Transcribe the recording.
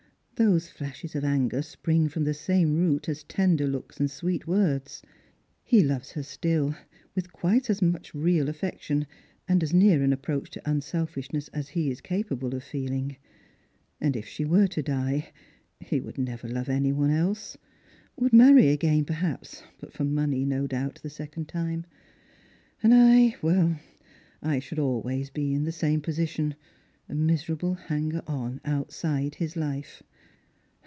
" Those flashes of anger spring from the same root as tender looks and Bweet words : he loves her still, with quite as much real affec tion, and as near an approach to unselfishness as he is capable of feeling. And if she were to die — he would never love any one else; woiild marry again perhaps, but for money, no doubt, the second time. And I — well, I should be always in the same position, a miserable hanger on, outside his life.